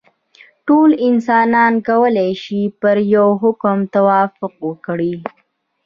ټول انسانان کولای شي پر یوه حکم توافق وکړي.